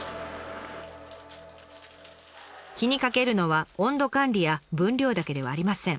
気にかけるのは温度管理や分量だけではありません。